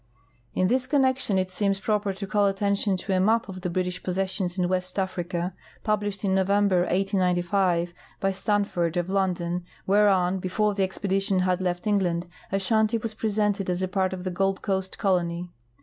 In this con nection it seems proper to call attention to a map of the " British Possessions in ^^'est Africa," })ublished in November, 1895, by Stanford, of London, whereon, before the exi)edition had left England, Ashanti was presented as a ])art of the Gold Coast colony.